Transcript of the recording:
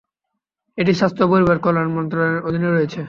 এটি স্বাস্থ্য ও পরিবার কল্যাণ মন্ত্রণালয়ের অধীনে রয়েছে।